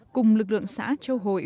cùng lực lượng xã châu hội